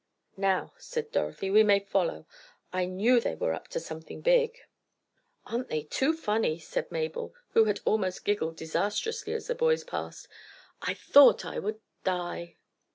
"Now," said Dorothy, "we may follow. I knew they were up to something big." "Aren't they too funny!" said Mabel, who had almost giggled disastrously as the boys passed. "I thought I would die!"